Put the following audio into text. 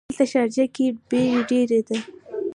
دلته شارجه ګې بیړ ډېر ده.